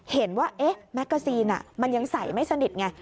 เห็นว่าแมกกาซีนมันยังใส่ไม่สนิทไง